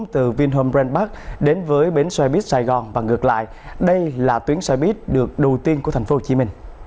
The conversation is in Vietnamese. từ vinh hồn brand park đến với bến xoay buýt sài gòn và ngược lại đây là tuyến xoay buýt được đầu tiên của tp hcm